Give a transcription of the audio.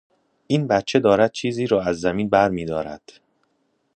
این بچه دارد چیزی را از زمین بر می دارد.